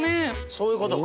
そういうことか。